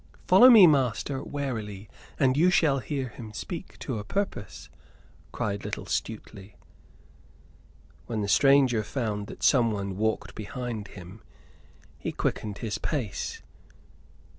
"Follow me, master, warily, and you shall hear him speak to a purpose!" cried little Stuteley. When the stranger found that someone walked behind him, he quickened his pace.